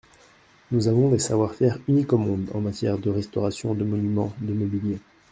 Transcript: Nous avons des savoir-faire uniques au monde en matière de restauration de monuments, de mobilier.